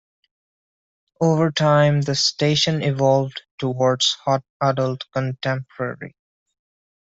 Over time, the station evolved towards hot adult contemporary.